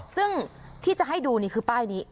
ซึ่งที่จะให้ดูนี่คือป้ายนี้